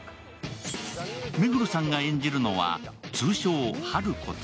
目黒さんが演じるのは通称ハルこと